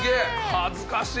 恥ずかしい！